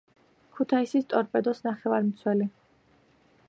ქუთაისის „ტორპედოს“ ნახევარმცველი.